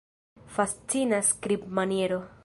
Fascina skribmaniero!